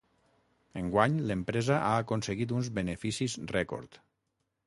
Enguany l'empresa ha aconseguit uns beneficis rècord.